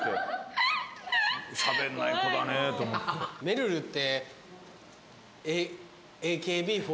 めるるって。